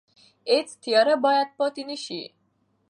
هیڅ تیاره باید پاتې نه شي.